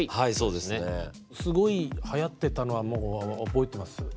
すごいはやってたのは覚えてます。